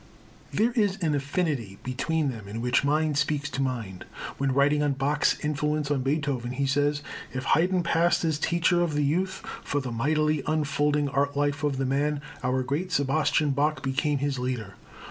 There is an affinity between them in which mind speaks to mind. When writing on Bach's influence on Beethoven, he says:[H] "If Haydn passed as teacher of the youth, for the mightily unfolding art life of the man, our great Sebastian Bach became his leader.